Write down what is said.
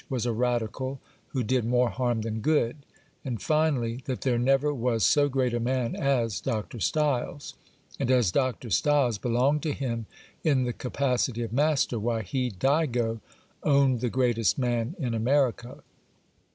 was a Radical, who did more harm than good,—and, finally, that there never was so great a man as Dr. Stiles: and as Dr. Stiles belonged to him in the capacity of master, why, he, Digo, owned the greatest man in America.